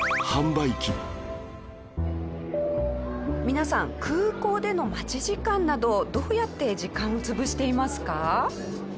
皆さん空港での待ち時間などどうやって時間を潰していますか？